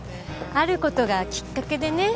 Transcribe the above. ある事がきっかけでね。